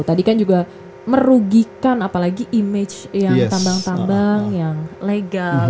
tadi kan juga merugikan apalagi image yang tambang tambang yang legal